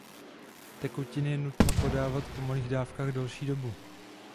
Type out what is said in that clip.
Tekutiny je nutno podávat po malých dávkách delší dobu.